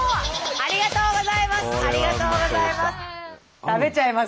ありがとうございます！